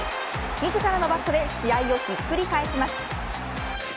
自らのバットで試合をひっくり返します。